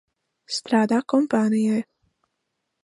Strādā kompānijai.